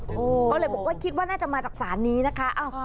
ก็เลยบอกว่าคิดว่าน่าจะมาจากศาลนี้นะคะ